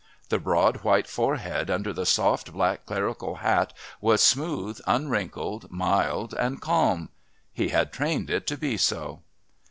The broad white forehead under the soft black clerical hat was smooth, unwrinkled, mild and calm.... He had trained it to be so.